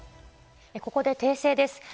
ここで訂正です。